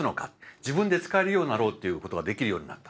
自分で使えるようになろうっていうことができるようになった。